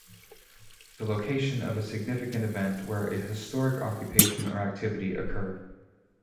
The location of a significant event where a historic occupation or activity occurred.